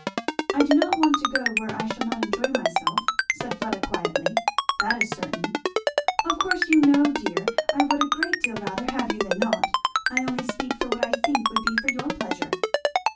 "I do not want to go where I shall not enjoy myself," said Fleda quietly; "that is certain." "Of course, you know, dear, I would a great deal rather have you than not I only speak for what I think would be for your pleasure."